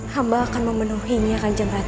hamba akan memenuhinya kanjeng ratu